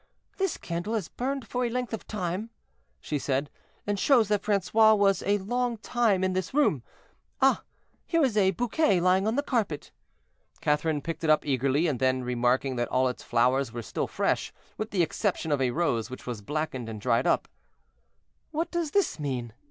"This candle has burned for a length of time," she said, "and shows that Francois was a long time in this room. Ah! here is a bouquet lying on the carpet." Catherine picked it up eagerly, and then, remarking that all its flowers were still fresh, with the exception of a rose, which was blackened and dried up: "What does this mean?"